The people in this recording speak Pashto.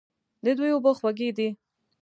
د دوی اوبه خوږې دي.